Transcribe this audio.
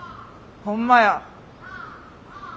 ほんまや。